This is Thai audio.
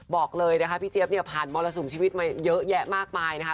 บอกเลยนะคะพี่เจี๊ยบเนี่ยผ่านมรสุมชีวิตมาเยอะแยะมากมายนะคะ